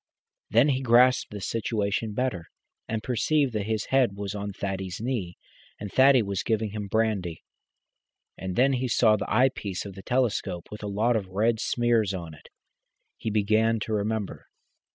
Then he grasped the situation better, and perceived that his head was on Thaddy's knee, and Thaddy was giving him brandy. And then he saw the eyepiece of the telescope with a lot of red smears on it. He began to remember.